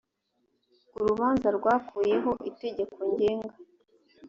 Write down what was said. urubanza rwakuyeho itegeko ngenga